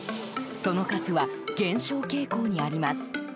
その数は減少傾向にあります。